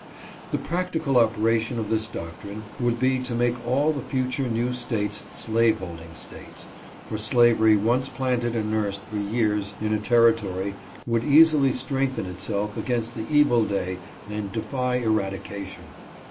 The practical operation of this doctrine would be to make all the future new States slaveholding States, for slavery once planted and nursed for years in a territory would easily strengthen itself against the evil day and defy erad ication.